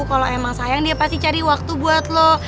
kalau emang sayang dia pasti cari waktu buat lo